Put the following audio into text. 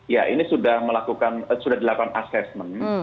ya ini sudah melakukan sudah dilakukan assessment